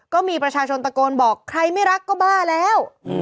ก็มีประชาชนตะโกนบอกใครไม่รักก็บ้าแล้ว